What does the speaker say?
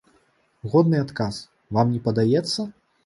Годны адказ, вам не падаецца?